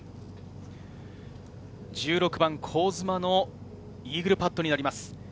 １６番、香妻のイーグルパットになります。